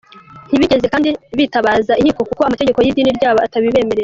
Ntibigeze kandi bitabaza inkiko kuko amategeko y’idini ryabo atabibemerera.